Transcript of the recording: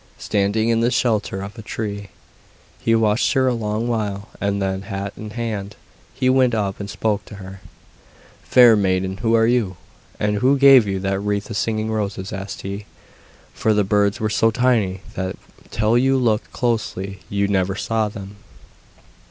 Standing in the shelter of a tree, he watched her a long while, and then, hat in hand, he went up and spoke to her. 'Fair maiden, who are you, and who gave you that wreath of singing roses?' asked he, for the birds were so tiny that till you looked closely you never saw them.